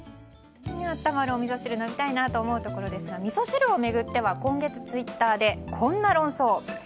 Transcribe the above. あったまるおみそ汁飲みたいなと思うところですがみそ汁を巡っては今月、ツイッターでこんな論争。